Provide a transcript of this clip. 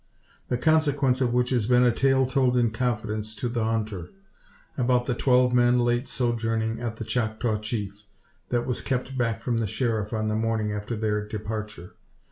The consequence of which has been a tale told in confidence to the hunter, about the twelve men late sojourning at the Choctaw Chief, that was kept back from the Sheriff on the morning after their departure.